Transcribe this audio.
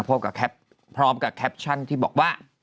พบกับแคปพร้อมกับแคปชั่นที่บอกว่า